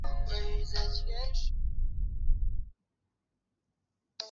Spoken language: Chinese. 同年他加入意甲的乌迪内斯。